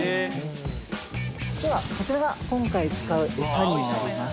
ではこちらが今回使うエサになります。